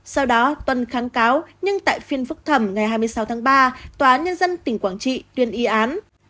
sau đó tuân kháng cáo nhưng tại phiên phúc thẩm ngày hai mươi sáu ba tòa nhân dân tỉnh quảng trị tuyên y án